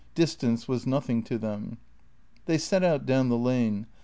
Distance was nothing to them. They set out down the lane.